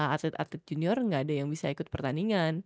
atlet atlet junior gak ada yang bisa ikut pertandingan